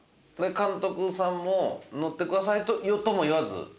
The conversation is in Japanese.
監督さんも乗ってくださいとも言わず？